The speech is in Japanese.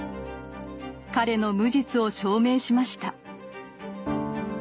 彼の無実を証明しました。